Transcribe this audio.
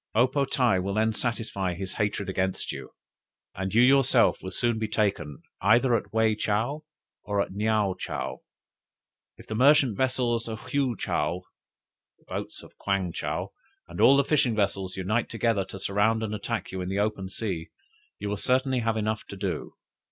O po tae will then satisfy his hatred against you, and you yourself will soon be taken either at Wei chow or at Neaou chow. If the merchant vessels of Hwy chaou, the boats of Kwang chow, and all the fishing vessels, unite together to surround and attack you in the open sea, you will certainly have enough to do.